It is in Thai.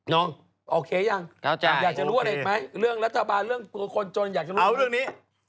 น้องโอเคยังอยากจะรวดอีกมั้ยเรื่องรัฐบาลเรื่องคนจนอยากจะรวดอีก